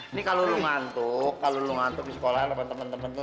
ini kalau lu ngantuk kalau lu ngantuk di sekolah temen temen tuh